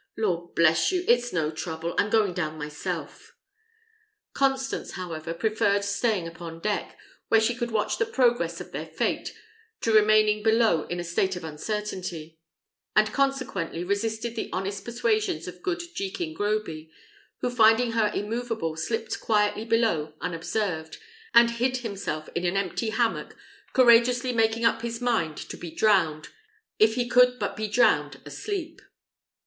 Lord bless you! it's no trouble; I'm going down myself." Constance, however, preferred staying upon deck, where she could watch the progress of their fate, to remaining below in a state of uncertainty; and consequently resisted the honest persuasions of good Jekin Groby, who, finding her immoveable, slipped quietly below unobserved, and hid himself in an empty hammock, courageously making up his mind to be drowned, if he could but be drowned, asleep.